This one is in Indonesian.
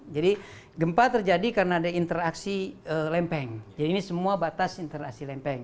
jadi gempa terjadi karena ada interaksi lempeng jadi ini semua batas interaksi lempeng